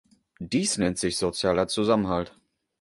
Dies nennt sich sozialer Zusammenhalt.